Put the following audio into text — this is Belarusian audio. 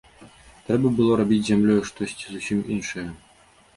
Трэба было рабіць з зямлёю штосьці зусім іншае.